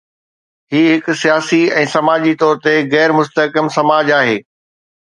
هي هڪ سياسي ۽ سماجي طور تي غير مستحڪم سماج آهي.